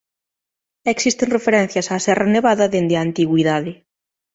Existen referencias á Serra Nevada desde a antigüidade.